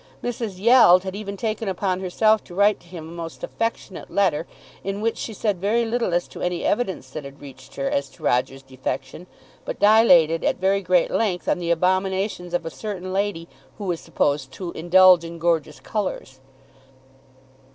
Mrs. Yeld had even taken upon herself to write to him a most affectionate letter, in which she said very little as to any evidence that had reached her as to Roger's defection, but dilated at very great length on the abominations of a certain lady who is supposed to indulge in gorgeous colours.